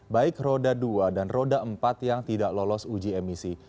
baik roda dua dan roda empat yang tidak lolos uji emisi